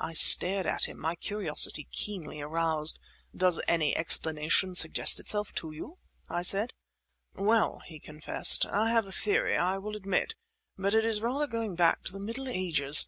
I stared at him, my curiosity keenly aroused. "Does any explanation suggest itself to you?" I said. "Well," he confessed, "I have a theory, I will admit; but it is rather going back to the Middle Ages.